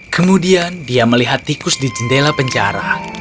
kemudian dia melihat tikus di jendela penjara